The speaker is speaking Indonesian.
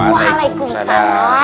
assalamualaikum pak de